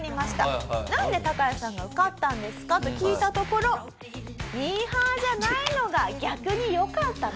なんでタカヤさんが受かったんですか？と聞いたところミーハーじゃないのが逆によかったと。